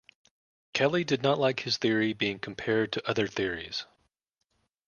Kelly did not like his theory being compared to other theories.